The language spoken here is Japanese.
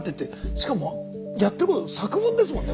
しかもやってること作文ですもんね。